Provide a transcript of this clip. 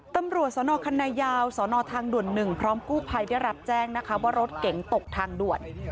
ตำรวจสนคันนายาวสนทางด่วน๑พร้อมกู้ภัยได้รับแจ้งนะคะว่ารถเก๋งตกทางด่วน